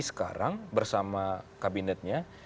sekarang bersama kabinetnya